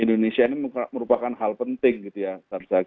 itu menjadi hal yang buat warga negara sebagai negara yang lebih baik